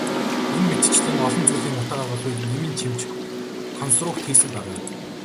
Энэ мэтчилэн олон зүйлийн утга агуулгыг нэмэн чимж консрукт хийсэн байгаа.